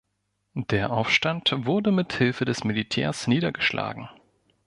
Der Aufstand wurde mit Hilfe des Militärs niedergeschlagen.